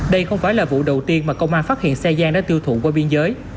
đây không phải là vụ đầu tiên mà công an phát hiện xe giang đã tiêu thụ qua biên giới